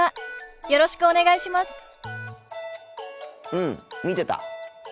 うん見てた。